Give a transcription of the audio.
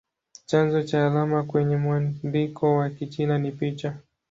Chanzo cha alama kwenye mwandiko wa Kichina ni picha.